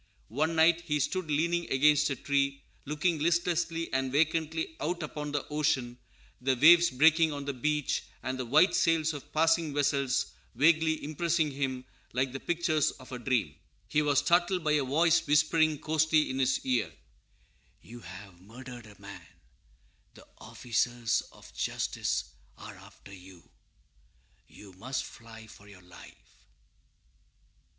One night he stood leaning against a tree, looking listlessly and vacantly out upon the ocean; the waves breaking on the beach, and the white sails of passing vessels vaguely impressing him like the pictures of a dream. He was startled by a voice whispering hoarsely in his ear, _"You have murdered a man; the officers of justice are after you; you must fly for your life!"